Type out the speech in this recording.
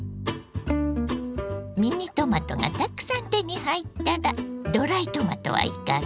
ミニトマトがたくさん手に入ったらドライトマトはいかが。